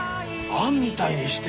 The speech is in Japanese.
「あん」みたいにして。